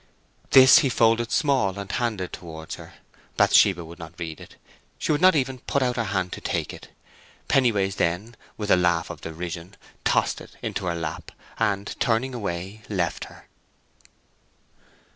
_" This he folded small, and handed towards her. Bathsheba would not read it; she would not even put out her hand to take it. Pennyways, then, with a laugh of derision, tossed it into her lap, and, turning away, left her.